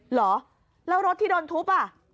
เหรอแล้วรถที่โดนทุบอ่ะ